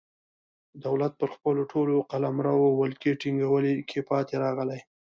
دولت پر خپل ټول قلمرو ولکې ټینګولو کې پاتې راغلی.